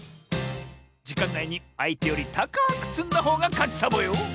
じかんないにあいてよりたかくつんだほうがかちサボよ！